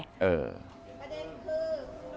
แปดนคือ